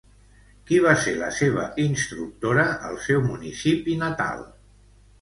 Qui va ser la seva instructora al seu municipi natal?